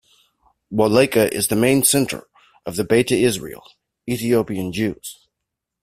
Wolleka is the main centre of the Beta Israel - Ethiopian Jews.